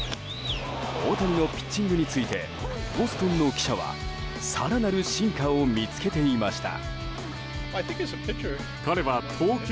大谷のピッチングについてボストンの記者は更なる進化を見つけていました。